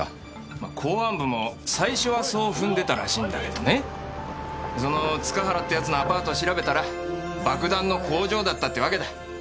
ま公安部も最初はそう踏んでたらしいんだけどねその塚原って奴のアパートを調べたら爆弾の工場だったってわけだ。